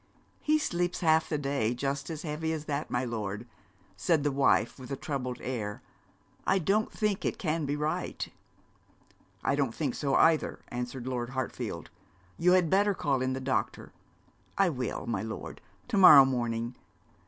'He sleeps half the day just as heavy as that, my lord,' said the wife, with a troubled air. 'I don't think it can be right.' 'I don't think so either,' answered Lord Hartfield. 'You had better call in the doctor.' 'I will, my lord, to morrow morning.